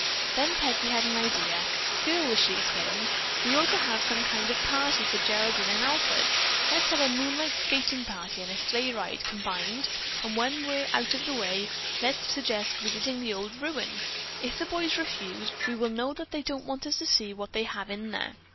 Then Peggy had an idea. "Girls," she exclaimed, "we ought to have some kind of a party for Geraldine and Alfred. Let's have a moonlight skating party and a sleigh ride combined, and when we're out that way, let's suggest visiting the old ruin. If the boys refuse, we will know that they don't want us to see what they have in there.